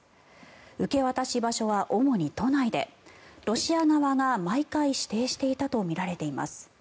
受け渡し場所は主に都内でロシア側が毎回指定したとみられています。